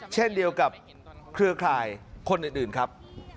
เช่นเดียวกับเครือข่ายคนอื่นครับ